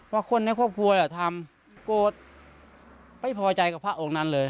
ว่าคนในครอบครัวทำโกรธไม่พอใจกับพระองค์นั้นเลย